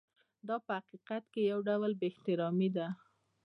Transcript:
دا په حقیقت کې یو ډول بې احترامي ده.